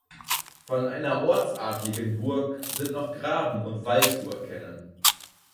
Von einer ortsadeligen Burg sind noch Graben und Wall zu erkennen.